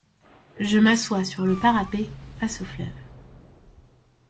Je m’assois sur le parapet, face au fleuve.